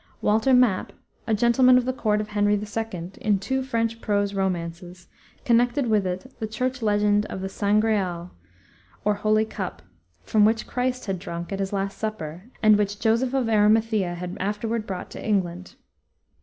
Walter Map, a gentleman of the Court of Henry II., in two French prose romances, connected with it the church legend of the Sangreal, or holy cup, from which Christ had drunk at his last supper, and which Joseph of Arimathea had afterward brought to England.